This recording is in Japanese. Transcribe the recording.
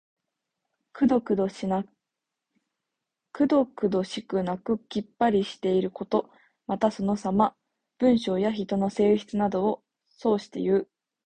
くどくどしくなくきっぱりしていること。また、そのさま。文章や人の性質などを評していう。